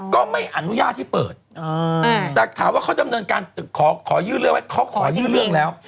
ก็ไม่อนุญาตให้เปิดแต่ถามว่าเขาดำเนินการขอยื่นเรื่องไหมเขาขอยื่นเรื่องแล้ว